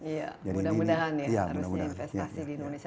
iya mudah mudahan ya harusnya investasi di indonesia